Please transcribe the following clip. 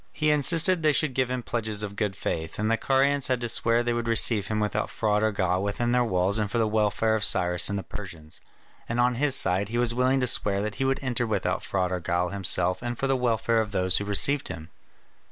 He insisted they should give him pledges of good faith, and the Carians had to swear they would receive him without fraud or guile within their walls and for the welfare of Cyrus and the Persians; and on his side he was willing to swear that he would enter without fraud or guile himself and for the welfare of those who received him.